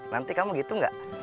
nanti kamu gitu enggak